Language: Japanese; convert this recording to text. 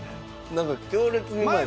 なんか強烈にうまい。